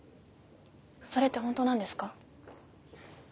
それって本当なんですか？